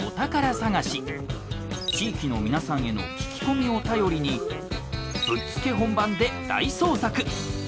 地域の皆さんへの聞き込みを頼りにぶっつけ本番で大捜索。